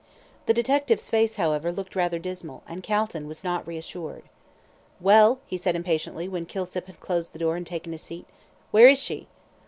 The detective's face, however, looked rather dismal, and Calton was not reassured. "Well!" he said, impatiently, when Kilsip had closed the door and taken his seat. "Where is she?"